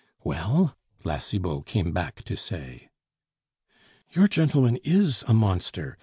"Well?" La Cibot came back to say. "Your gentleman is a monster.